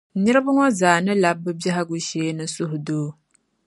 niriba ŋɔ zaa ni lab’ bɛ biɛhigu shee ni suhudoo.